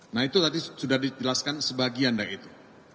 nah itu tadi sudah dijelaskan sebagian dari itu